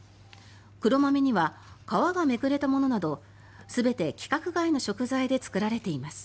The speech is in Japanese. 黒豆には皮がめくれたものなど全て、規格外の食材で使われています。